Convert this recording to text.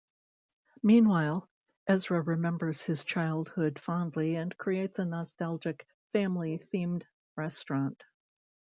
Meanwhile, Ezra remembers his childhood fondly and creates a nostalgic family-themed restaurant.